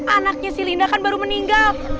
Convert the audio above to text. anaknya si linda kan baru meninggal